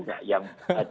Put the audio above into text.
yang hadirkan nama politik